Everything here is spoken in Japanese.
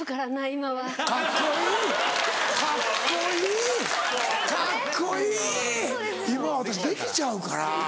「今は私できちゃうから」。